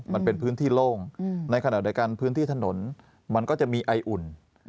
มันเป็นพื้นที่โล่งในขณะเดียวกันพื้นที่ถนนมันก็จะมีไออุ่น